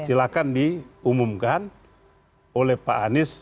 silahkan diumumkan oleh pak anies